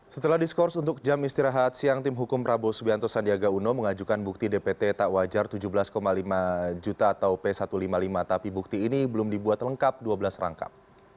setelah diskors untuk jam istirahat siang tim hukum prabowo subianto sandiaga uno mengajukan bukti dpt tak wajar tujuh belas lima juta atau p satu ratus lima puluh lima tapi bukti ini belum dibuat lengkap dua belas rangkap